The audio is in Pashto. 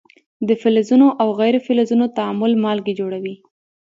د فلزونو او غیر فلزونو تعامل مالګې جوړوي.